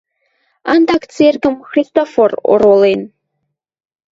Андак церкӹм Христофор оролен